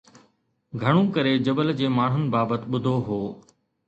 گهڻو ڪري جبل جي ماڻهن بابت ٻڌو هو